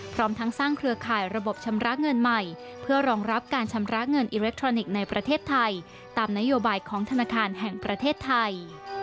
พร้อมทั้งสร้างเครือข่ายระบบชำระเงินใหม่เพื่อรองรับการชำระเงินอิเล็กทรอนิกส์ในประเทศไทยตามนโยบายของธนาคารแห่งประเทศไทย